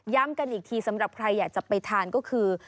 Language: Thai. กันอีกทีสำหรับใครอยากจะไปทานก็คือ